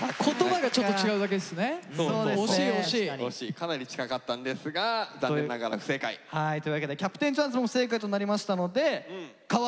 かなり近かったんですが残念ながら不正解。というわけでキャプテンチャンスも不正解となりましたのでカワイイポイント発動でございます。